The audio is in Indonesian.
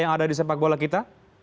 yang ada di sepak bola kita